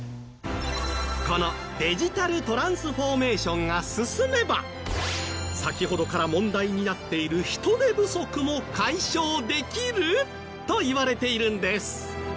このデジタルトランスフォーメーションが進めば先ほどから問題になっている人手不足も解消できるといわれているんです。